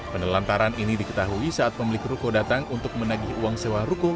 penelantaran ini diketahui saat pemilik ruko datang untuk menagih uang sewa ruko